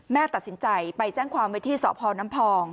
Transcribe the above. แม่ตัดสินใจไปแจ้งความไว้ที่สพน้ำพอง